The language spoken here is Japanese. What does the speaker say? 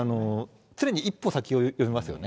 常に一歩先を読みますよね。